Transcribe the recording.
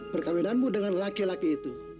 perkawinanmu dengan laki laki itu